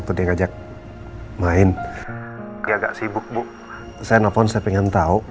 tapi ini mbak masih di jalan